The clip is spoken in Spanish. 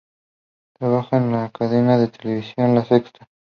Trabaja en la cadena de televisión la Sexta.